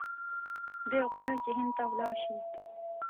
دی غواړي چې هند ته ولاړ شي.